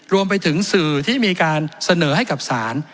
รวมไปถึงสื่อที่มีการเสนอให้กับศาล